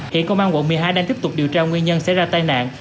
hiện công an quận một mươi hai đang tiếp tục điều tra nguyên nhân sẽ ra tai nạn